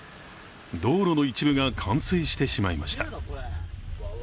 道路の一部が冠水してしまいました。